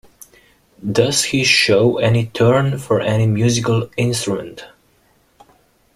Does he show any turn for any musical instrument?